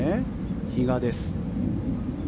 比嘉です。